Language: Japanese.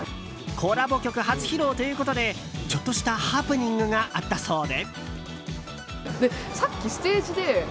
コラボ曲初披露ということでちょっとしたハプニングがあったそうで。